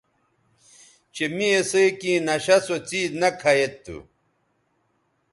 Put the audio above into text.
چہء می اِسئ کیں نشہ سو څیز نہ کھہ ید تھو